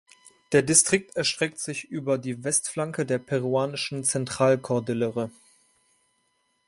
Der Distrikt erstreckt sich über die Westflanke der peruanischen Zentralkordillere.